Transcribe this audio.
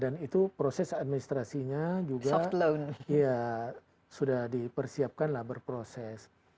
dan itu proses administrasinya juga sudah dipersiapkan berproses